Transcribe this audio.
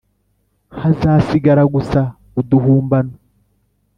hazasigara gusa uduhumbano,